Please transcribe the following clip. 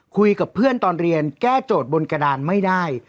คุยกับเพื่อนตอนเรียนแก้โจทย์บนกระดานไม่ได้